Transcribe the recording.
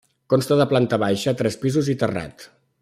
Consta de planta baixa, tres pisos i terrat.